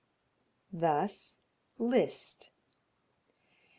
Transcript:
Thus Liszt.